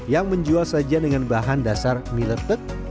yang menjual sajian dengan bahan dasar mie letek